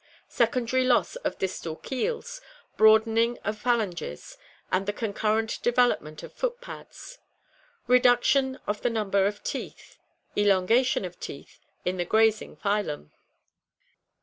Secondary loss of distal keels, broadening of phalanges, and the concurrent development of foot pads. Reduction of the num ber of teeth. Elongation of teeth in the grazing phylum.